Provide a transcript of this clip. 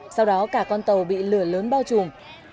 sau đó cả con tàu bị lửa lớn bao trùm